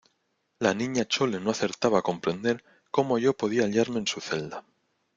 la Niña Chole no acertaba a comprender cómo yo podía hallarme en su celda